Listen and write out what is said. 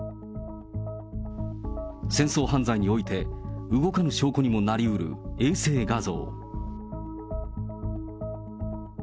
戦争犯罪において、動かぬ証拠にもなりうる衛星画像。